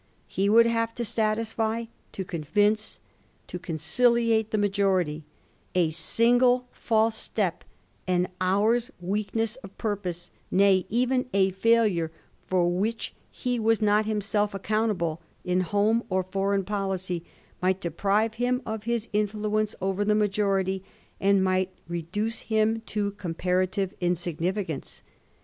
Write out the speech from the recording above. He would have to satisfy, to convince, to conciliate the majority^ A single false step, an hour's weakness of purpose, nay, even a failure for which he was not himself ac countable in home or foreign policy, might deprive him of his influence over the majority, and might reduce him to comparative insignificance.